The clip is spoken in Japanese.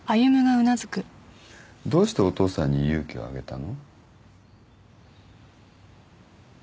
どうしてお父さんに勇気をあげたの？